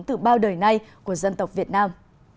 từ bao đời nay của dân tộc việt nam